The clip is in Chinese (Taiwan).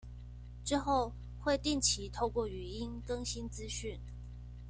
之後會定期透過語音更新資訊